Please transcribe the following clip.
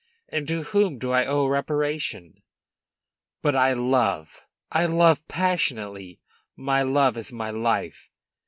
and to whom do I owe reparation? But I love; I love passionately. My love is my life.